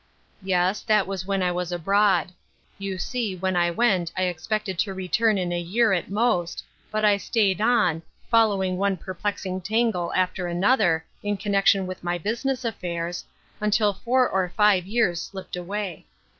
" Yes, that was when I was abroad. You see when I went I expected to return in a year at most, but I staid on, following one perplexing tangle after another in connection with my busi ness affairs, until four or five years slipped away.